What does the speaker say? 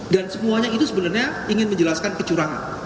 dan semuanya itu sebenarnya ingin menjelaskan kecurangan